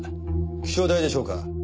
気象台でしょうか？